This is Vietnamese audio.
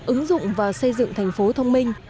ứng dụng vào xây dựng thành phố thông minh